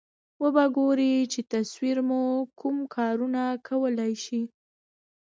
و به ګورئ چې تصور مو کوم کارونه کولای شي.